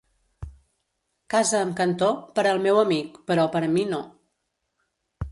Casa amb cantó, per al meu amic, però per a mi no.